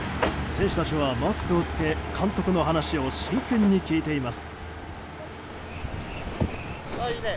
選手たちはマスクを着け監督の話を真剣に聞いています。